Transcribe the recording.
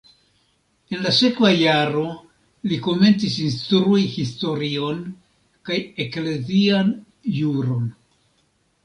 En la sekva jaro li komencis instrui historion kaj eklezian juron.